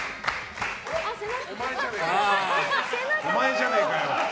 お前じゃねえかよ！